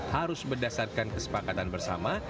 harus berdasarkan kesepakatan bersama